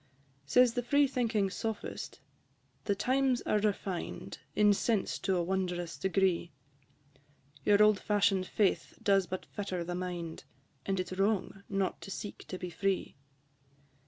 II. Says the free thinking Sophist, "The times are refined In sense to a wondrous degree; Your old fashion'd faith does but fetter the mind, And it 's wrong not to seek to be free."